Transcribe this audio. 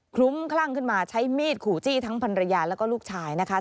ลุ้มคลั่งขึ้นมาใช้มีดขู่จี้ทั้งพันรยาแล้วก็ลูกชายนะคะ